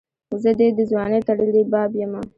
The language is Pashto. زه دي دځوانۍ ټړلي باب یمه